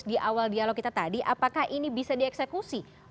di awal dialog kita tadi apakah ini bisa dieksekusi